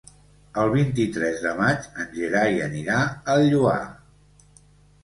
El vint-i-tres de maig en Gerai anirà al Lloar.